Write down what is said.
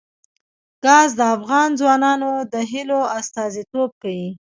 ګاز د افغان ځوانانو د هیلو استازیتوب کوي.